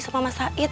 sama mas sahid